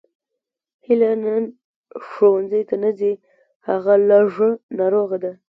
هیله نن ښوونځي ته نه ځي هغه لږه ناروغه ده